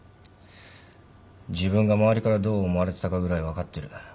自分が周りからどう思われてたかぐらい分かってる。